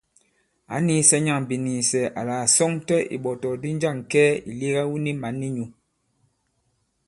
Ǎ nīīsɛ̄ nyâŋ biniisɛ àla à sɔŋtɛ ìɓɔ̀tɔ̀kdi njâŋ kɛɛ ì lega wu ni mǎn i nyū.